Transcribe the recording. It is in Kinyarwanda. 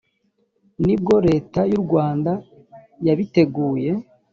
ni bwo leta y urwanda yabiteguye